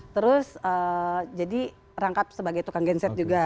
terus jadi rangkap sebagai tukang genset juga